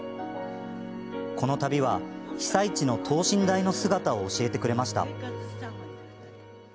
この旅は被災地の等身大の姿を教えてくれました。